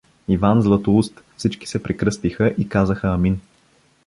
Иван Златоуст всички се прекръстиха и казаха амин.